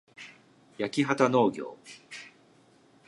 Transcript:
やきはたのうぎょう